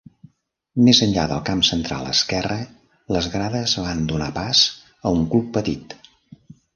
Més enllà del camp central esquerre, les grades van donar pas a un club petit.